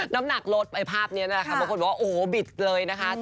น้ำหนักลดไอ้ภาพนี้นะคะบางคนบอกว่าโอ้โหบิดเลยนะคะ